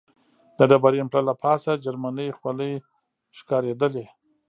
د ډبرین پله له پاسه جرمنۍ خولۍ ښکارېدلې.